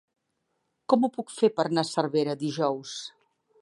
Com ho puc fer per anar a Cervera dijous?